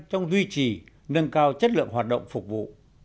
trong duy trì nâng cao chất lượng hoạt động phục vụ